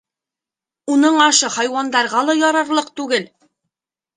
— Уның ашы хайуандарға ла ярарлыҡ түгел.